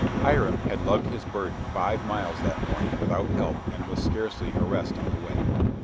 Hiram had lugged his burden five miles that morning without help and with scarcely a rest on the way.